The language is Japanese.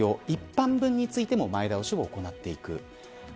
一般分についても前倒しを行っていく。